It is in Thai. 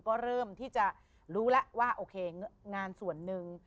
ก็เริ่มที่จะรู้แล้วว่าโอเคงานส่วนหนึ่ง